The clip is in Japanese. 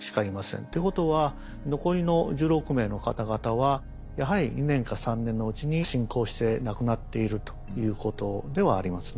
ということは残りの１６名の方々はやはり２年か３年のうちに進行して亡くなっているということではありますね。